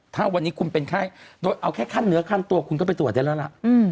ถ้าวันนี้คุณเป็นไข้โดยเอาแค่ขั้นเนื้อขั้นตัวคุณก็ไปตรวจได้แล้วล่ะ